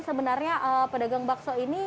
sebenarnya pedagang bakso ini